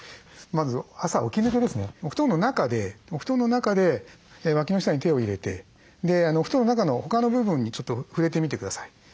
まず朝起き抜けですねお布団の中で脇の下に手を入れてでお布団の中の他の部分にちょっと触れてみて下さい。